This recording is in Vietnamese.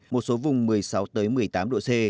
một số vùng một mươi sáu một mươi tám độ c